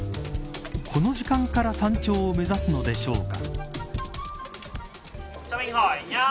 この時間から山頂を目指すのでしょうか。